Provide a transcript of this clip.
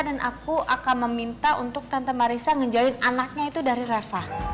dan aku akan meminta untuk tante marissa ngejualin anaknya itu dari reva